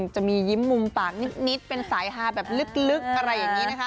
จะมียิ้มมุมปากนิดเป็นสายฮาแบบลึกอะไรอย่างนี้นะคะ